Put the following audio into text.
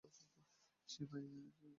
সেই মেয়ের নাম তো বলিলে না?